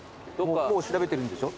もう調べてるんでしょ？